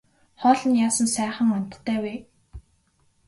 Хоол нь яасан сайхан амттай вэ.